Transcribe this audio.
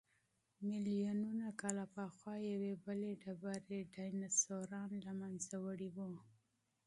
ملیونونه کاله پخوا یوې بلې ډبرې ډیناسوران له منځه وړي وو.